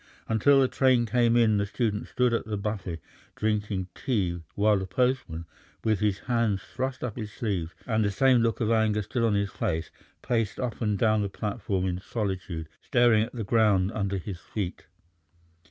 Until the train came in the student stood at the buffet drinking tea while the postman, with his hands thrust up his sleeves and the same look of anger still on his face, paced up and down the platform in solitude, staring at the ground under his feet.